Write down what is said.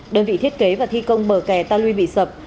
đơn vị thiết kế và thi công bờ kè ta lui bị sập